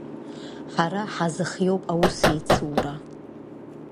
Ҳара ҳазыхиоуп аусеицура.